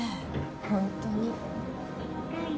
ホントに。